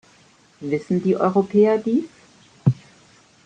Wissen die Europäer dies?